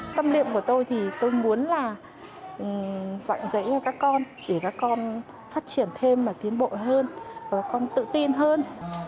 tâm niệm của tôi thì tôi muốn là dạng dạy cho các con để các con phát triển thêm và tiến bộ hơn và con tự tin hơn